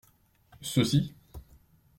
Ceux-ci.